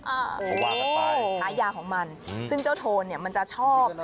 โอ้โฮว่างไปไปฉายาของมันซึ่งเจ้าโทนนี่มันจะชอบ